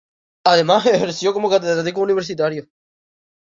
Además, ejerció como catedrático universitario.